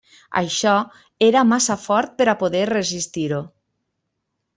Això era massa fort per a poder resistir-ho.